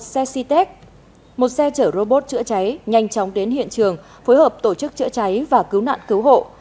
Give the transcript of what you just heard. một xe c tec một xe chở robot chữa cháy nhanh chóng đến hiện trường phối hợp tổ chức chữa cháy và cứu nạn cứu hộ